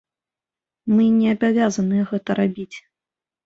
Мы не абавязаныя гэта рабіць.